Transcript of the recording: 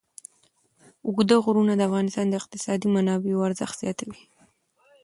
اوږده غرونه د افغانستان د اقتصادي منابعو ارزښت زیاتوي.